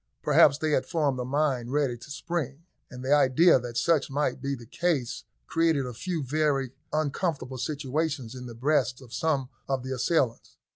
Perhaps they had formed a mine ready to spring, and the idea that such might be the case created a few very uncomfortable sensations in the breasts of some of the assailants.